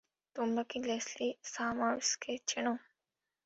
তোমরা কি লেসলি সামার্সকে চেনো?